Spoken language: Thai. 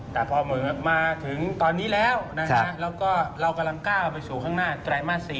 แต่พอมาถึงตอนนี้แล้วแล้วก็เรากำลังก้าวไปสู่ข้างหน้าไตรมาส๔